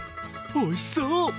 おいしそう！